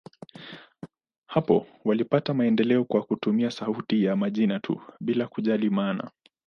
Hapo walipata maendeleo kwa kutumia sauti ya majina tu, bila kujali maana.